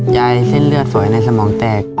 เส้นเลือดสวยในสมองแตก